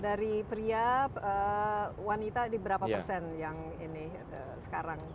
dari pria wanita di berapa persen yang ini sekarang